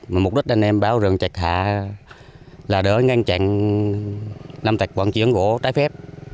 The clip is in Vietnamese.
mục đích anh em báo rừng trạch hạ là đỡ ngăn chặn lâm tặc vận chuyển gỗ trái phép